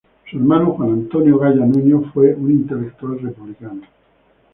Su hermano, Juan Antonio Gaya Nuño, fue un intelectual republicano.